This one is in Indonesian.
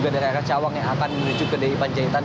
daerah cawang yang akan menuju ke ipan jahitan